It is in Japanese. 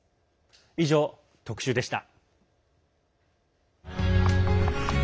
以上、特集でした。